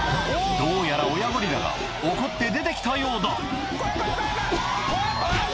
どうやら親ゴリラが怒って出て来たようだ怖い怖い怖い。